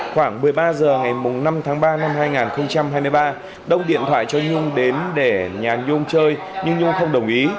khoảng một mươi ba h ngày năm tháng ba năm hai nghìn hai mươi ba đông điện thoại cho nhung đến để nhà nhung chơi nhưng nhung không đồng ý